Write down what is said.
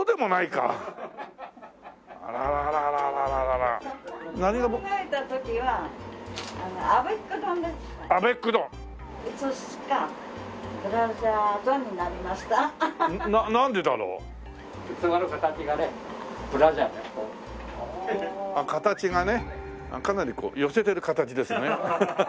かなりこう寄せてる形ですね。